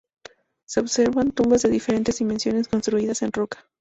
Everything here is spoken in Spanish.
Se observan tumbas de diferentes dimensiones construidas en roca.